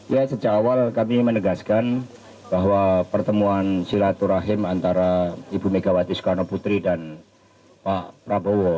ya sejak awal kami menegaskan bahwa pertemuan silaturahim antara ibu megawati soekarno putri dan pak prabowo